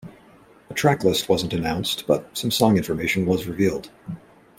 A track list wasn't announced, but some song information was revealed.